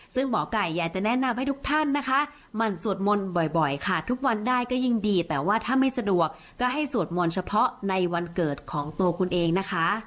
ซึ่งหมอไก่อยากจะแนะนำให้ทุกท่านนะคะหมั่นสวดมนต์บ่อยค่ะทุกวันได้ก็ยิ่งดีแต่ว่าถ้าไม่สะดวกก็ให้สวดมนต์เฉพาะในวันเกิดของตัวคุณเองนะคะ